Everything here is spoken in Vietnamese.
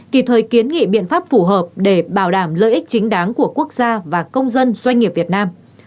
kịp thời kiến nghị biện pháp phù hợp để bảo đảm lợi ích chính đáng của quốc gia và công dân doanh nghiệp việt nam